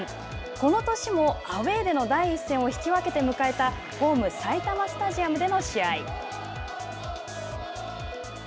この年もアウェーでの第１戦を引き分けて迎えたホーム埼玉スタジアムでの試合。